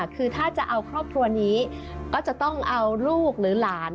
คือถ้าจะเอาครอบครัวนี้ก็จะต้องเอาลูกหรือหลาน